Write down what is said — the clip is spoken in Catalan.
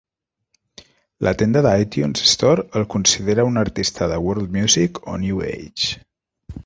La tenda de iTunes Store el considera un artista de World Music o New Age.